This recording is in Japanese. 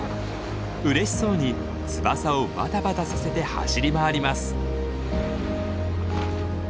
うれしそうに翼をバタバタさせて走り回ります。